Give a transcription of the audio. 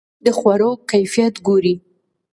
دوی د خوړو کیفیت ګوري.